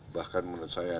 bahkan menurut saya